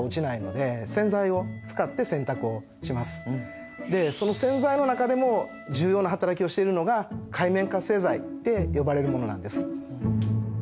でその中でもその洗剤の中でも重要な働きをしているのが界面活性剤って呼ばれるものなんです。